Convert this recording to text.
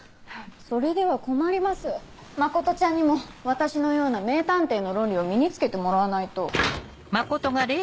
それでは困ります真ちゃんにも私のような名探偵の論理を身に付けてもらわないと。